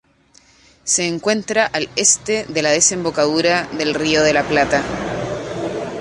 Se encuentra al este de la desembocadura del río de La Plata.